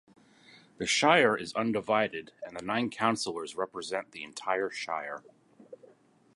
The shire is undivided and the nine councillors represent the entire shire.